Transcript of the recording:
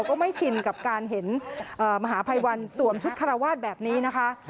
ก็ไม่ชินกับการเห็นมหาภัยวันสวมชุดคาราวาสแบบนี้นะคะ